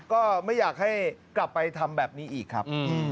ก็ไม่อยากให้กลับไปทำแบบนี้อีกครับ